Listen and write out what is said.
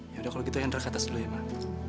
yaudah kalau gitu hendra ke atas dulu ya mbak